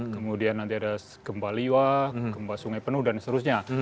kemudian nanti ada gempa liwa gempa sungai penuh dan seterusnya